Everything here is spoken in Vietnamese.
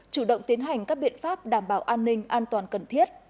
chủ động tiến hành các biện pháp đảm bảo an ninh an toàn cần thiết